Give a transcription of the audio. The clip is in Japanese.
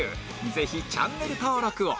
ぜひチャンネル登録を